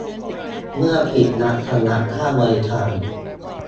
เมื่อผิดนัดชำระค่าบริการ